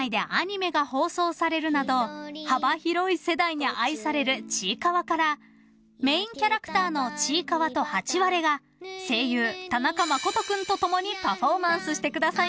［幅広い世代に愛される『ちいかわ』からメインキャラクターのちいかわとハチワレが声優田中誠人君と共にパフォーマンスしてくださいます］